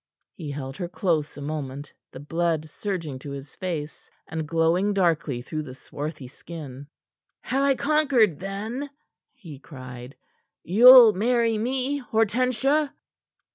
He held her close a moment, the blood surging to his face, and glowing darkly through the swarthy skin. "Have I conquered, then?" he cried. "You'll marry me, Hortensia?"